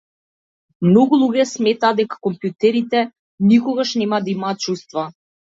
Многу луѓе сметаат дека компјутерите никогаш нема да имаат чувства.